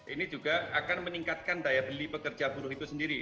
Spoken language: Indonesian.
ini juga akan meningkatkan daya beli pekerja buruh itu sendiri